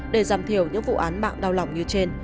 để giảm thiểu những vụ án mạng đau lòng như trên